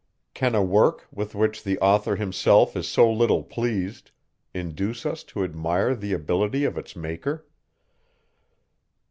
Can a work, with which the author himself is so little pleased, induce us to admire the ability of its Maker?